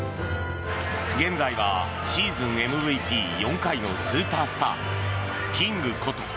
現在はシーズンＭＶＰ４回のスーパースターキングこと